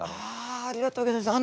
あありがとうギョざいます。